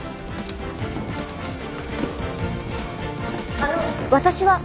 あの私は？